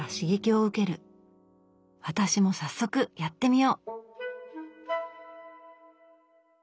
私も早速やってみよう！